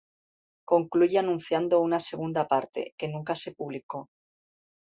Concluye anunciando una segunda parte, que nunca se publicó.